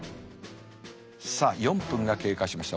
さあ４分が経過しました。